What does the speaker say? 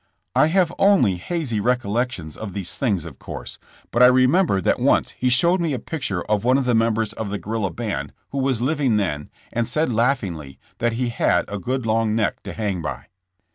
I have only hazy recollections of these things, of course, but I remember that once he showed me a picture of one of the members of the guerrilla band who was living then, and said laughingly, that he had a good long neck to hang by.